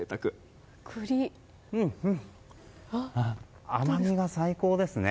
うん、甘みが最高ですね。